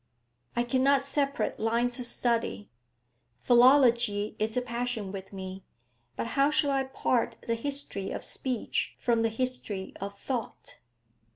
I cannot separate lines of study. Philology is a passion with me, but how shall I part the history of speech from the history of thought?